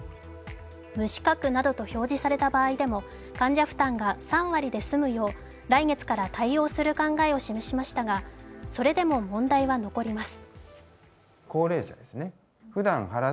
無資格などと表示された場合でも患者負担が３割で済むよう来月から対応する考えを示しましたがそれでも問題は残ります。